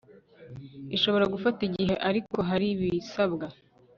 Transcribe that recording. ishobora gufata igihe ariko haribisabwa